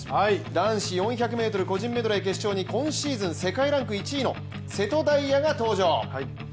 男子４００ｍ個人メドレー決勝に今シーズン世界ランク１位の瀬戸大也が登場。